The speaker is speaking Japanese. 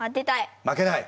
負けない？